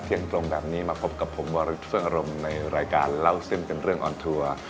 เที่ยงตรงแบบนี้มาพบกับผมวาริสเฟื้องอารมณ์ในรายการเล่าเส้นเป็นเรื่องออนทัวร์